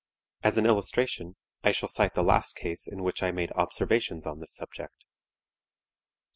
As an illustration I shall cite the last case in which I made observations on this subject.